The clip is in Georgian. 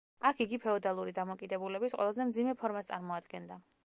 აქ იგი ფეოდალური დამოკიდებულების ყველაზე მძიმე ფორმას წარმოადგენდა.